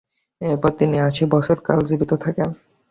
এরপর তিনি আশি বছর কাল জীবিত থাকেন।